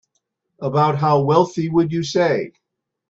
About how wealthy would you say?